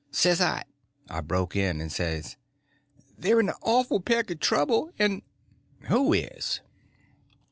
Says I—" I broke in and says: "They're in an awful peck of trouble, and—" "Who is?"